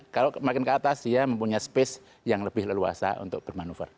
kalau makin ke atas dia mempunyai space yang lebih leluasa untuk bermanuver